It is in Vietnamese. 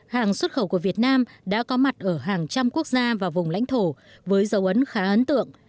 hàng xuất khẩu của việt nam đã có mặt ở hàng trăm quốc gia và vùng lãnh thổ với dấu ấn khá ấn tượng